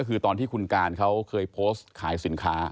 ก็คือตอนที่คุณการเขาเคยโพสต์ขายสินค้า